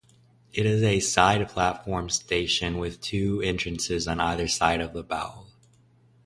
It is a side platform station with two entrances on either side of boul.